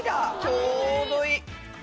ちょうどいい！